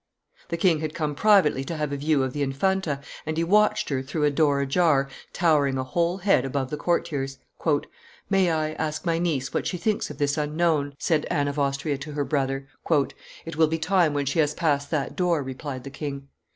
The king had come privately to have a view of the Infanta, and he watched her, through a door ajar, towering a whole head above the courtiers. "May I, ask my niece what she thinks of this unknown?" said Anne of Austria to her brother. "It will be time when she has passed that door," replied the king.